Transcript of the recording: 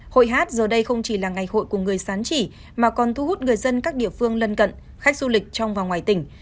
hội hát giờ đây không chỉ là ngày hội của người sán chỉ mà còn thu hút người dân các địa phương lân cận khách du lịch trong và ngoài tỉnh